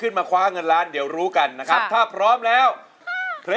เพลงนี้อยู่ในอาราบัมชุดแรกของคุณแจ็คเลยนะครับ